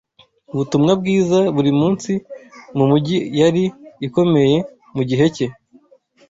ubutumwa bwiza buri munsi mu mujyi yari ikomeye mu gihe cye